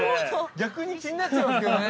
◆逆に気になっちゃいますけどね。